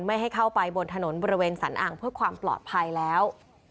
ไม่ให้เข้าไปบนถนนบริเวณสันอ่างเพื่อความปลอดภัยแล้ว